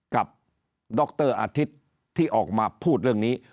ดรอาทิตย์ที่ออกมาพูดเรื่องนี้